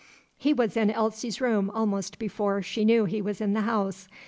He was in Elsie's room almost before she knew he was in the house.